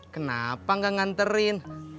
kenapa gak nganterin